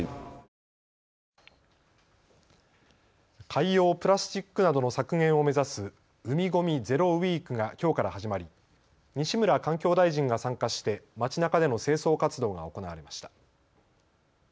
海洋プラスチックなどの削減を目指す海ごみゼロウィークがきょうから始まり西村環境大臣が参加して街なかでの清掃活動が行われました。